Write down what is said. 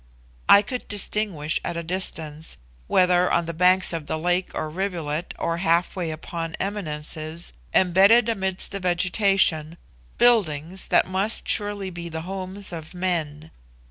I could distinguish at a distance, whether on the banks of the lake or rivulet, or half way upon eminences, embedded amidst the vegetation, buildings that must surely be the homes of men.